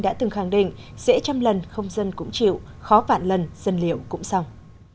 đã từng khẳng định dễ trăm lần không dân cũng chịu khó vạn lần dân liệu cũng xong